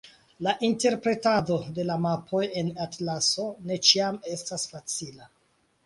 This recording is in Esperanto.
La interpretado de la mapoj en la atlaso ne ĉiam estas facila.